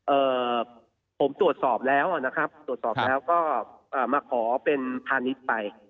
เอ่อผมตรวจสอบแล้วนะครับตรวจสอบแล้วก็อ่ามาขอเป็นพาณิชย์ไป